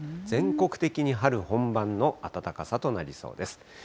全国的に春本番の暖かさとなりそうです。